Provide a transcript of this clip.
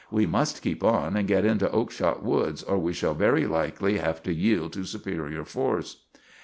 We must keep on and get into Oakshott Woods, or we shall very likely have to yield to supereer force."